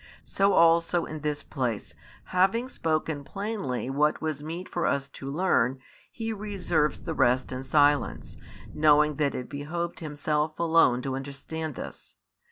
So also in this place, having spoken plainly what was meet for us to learn, He reserves the rest in silence, knowing that it behoved Himself alone to understand this.